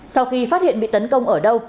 sau khi phát hiện bị tấn công ở đâu